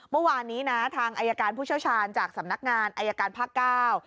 เมื่อวานนี้นะทางอายการผู้เชี่ยวชาญจากสำนักงานอายการภาคเก้า